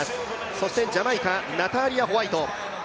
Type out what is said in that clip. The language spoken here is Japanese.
そしてジャマイカ、ナターリア・ホワイト。